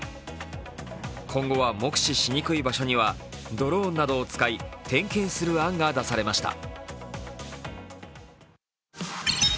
今後は目視しにくい場所にはドローンなどを使い、点検する案が出されました。